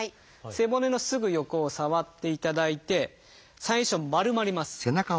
背骨のすぐ横を触っていただいて最初丸まります。